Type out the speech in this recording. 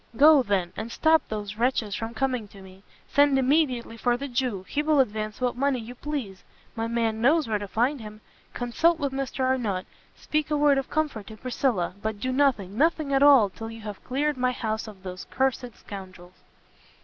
Go, then, and stop those wretches from coming to me, send immediately for the Jew! he will advance what money you please, my man knows where to find him; consult with Mr Arnott, speak a word of comfort to Priscilla, but do nothing, nothing at all, till you have cleared my house of those cursed scoundrels!"